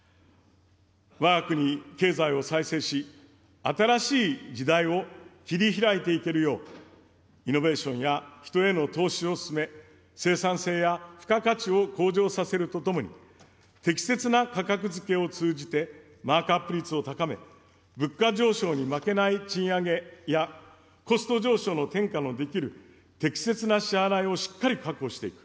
わが国経済を再生し、新しい時代を切りひらいていけるよう、イノベーションや人への投資を進め、生産性や付加価値を向上させるとともに、適切な価格付けを通じてマークアップ率を高め、物価上昇に負けない賃上げやコスト上昇の転嫁のできる適切な支払いをしっかり確保していく。